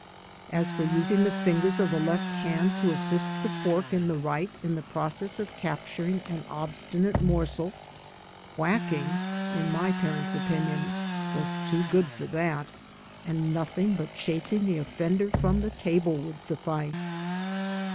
As for using the fingers of the left hand to assist the fork m the right in the process of capturing an obstinate morsel, whacking, in my parent's opinion, was too good for that, and nothing but chasing the offender from the table would suffice.